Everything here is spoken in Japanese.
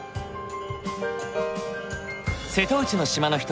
瀬戸内の島の一つ